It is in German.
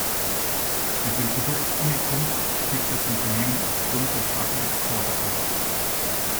Mit dem Produkt Unicum stieg das Unternehmen auf Grund der starken Exporte auf.